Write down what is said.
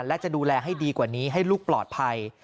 และจะดูแลให้ดีกว่านี้ให้ลูกปลอดภัย